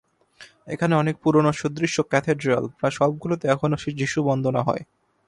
এখানে অনেক পুরোনো সুদৃশ্য ক্যাথেড্রাল, প্রায় সবগুলোতে এখনো যিশু বন্দনা হয়।